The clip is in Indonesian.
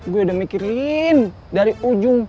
gue udah mikirin dari ujung